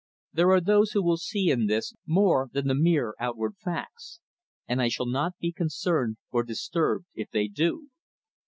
There are those who will see in this more than the mere outward facts, and I shall not be concerned or disturbed if they do.